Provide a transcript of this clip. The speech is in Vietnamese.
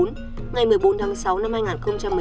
ngày một mươi bốn tháng sáu năm hai nghìn một mươi chín